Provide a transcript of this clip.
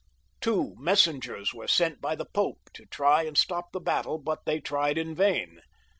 Two messengers were sent by the Pope to try and stop the battle; but they tried in vain.